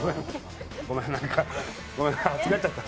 ごめん、なんか、間違っちゃった。